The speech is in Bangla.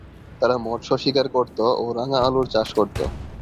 তারা মৎস্য শিকার করত ও রাঙা আলুর চাষ করত।